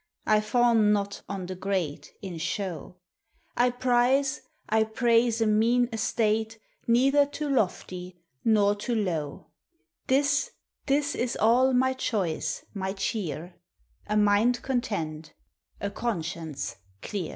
I fawn nnt on the greal (in show j I prize, I praise a m Neither too lofty nor too low i This, this is all my choice, my cheer,— \ m ind content, a conscience cl<